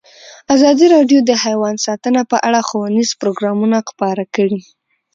ازادي راډیو د حیوان ساتنه په اړه ښوونیز پروګرامونه خپاره کړي.